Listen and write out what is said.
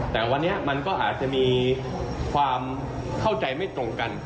แต่วันนี้มันก็อาจจะมีความเข้าใจไม่ตรงกัน